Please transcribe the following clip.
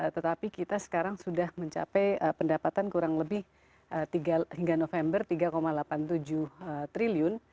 tetapi kita sekarang sudah mencapai pendapatan kurang lebih hingga november tiga delapan puluh tujuh triliun